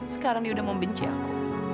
sekarang dia udah membenci aku